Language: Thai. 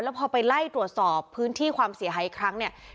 พอไปไล่ตรวจสอบพื้นที่ความเสียหายอีกครั้งเนี่ย